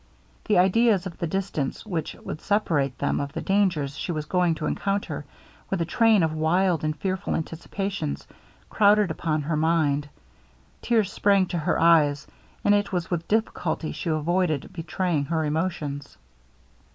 The ideas of the distance which would separate them, of the dangers she was going to encounter, with a train of wild and fearful anticipations, crouded upon her mind, tears sprang in her eyes, and it was with difficulty she avoided betraying her emotions.